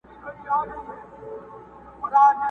o مرغان هغه سره الوزي، چي بڼي ئې سره ورته وي!